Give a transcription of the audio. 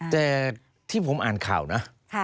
แต่ที่ผมอ่านข่าวนะ